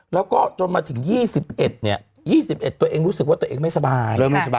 แล้วก็จนมาถึง๒๑เนี่ย๒๑ตัวเองรู้สึกว่าตัวเองไม่สบาย